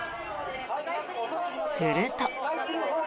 すると。